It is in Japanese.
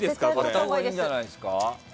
買ったほうがいいんじゃないですか。